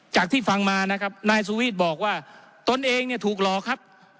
ที่ฟังมานะครับนายสุวิทย์บอกว่าตนเองเนี่ยถูกหลอกครับ